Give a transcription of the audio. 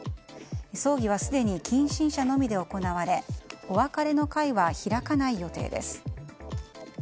葬儀はすでに近親者のみで行われお別れの会は開かない予定です。